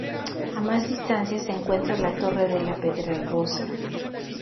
A más distancia se encuentra la Torre de la Pedregosa.